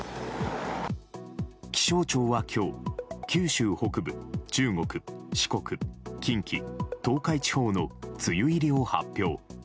気象庁は今日九州北部、中国・四国近畿・東海地方の梅雨入りを発表。